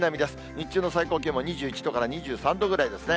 日中の最高気温も２１度から２３度ぐらいですね。